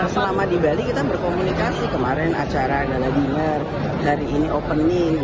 selama di bali kita berkomunikasi kemarin acara adalah dinner hari ini opening